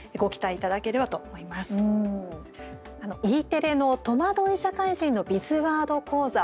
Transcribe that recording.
Ｅテレの「とまどい社会人のビズワード講座」